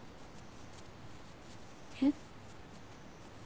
えっ？